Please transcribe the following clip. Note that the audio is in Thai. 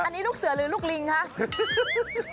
อันนี้ลูกเสือหรือลูกลิงคะ